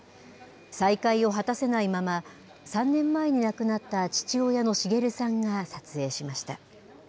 再会を果たせないまま、３年前に亡くなった父親の滋さんが撮影しました。